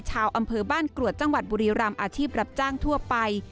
ชาวอำเภอบ้านกรวดจังหวัดบุรีรำอาชีพรับจ้างทั่วไป